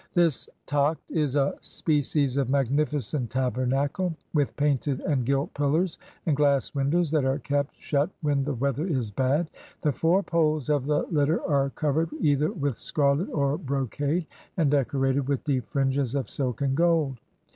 This tact is a species of magnificent tabernacle, with painted and gilt pillars, and glass windows, that are kept shut when the weather is bad. The four poles of the litter are covered either with scarlet or brocade, and decorated with deep fringes of silk and gold.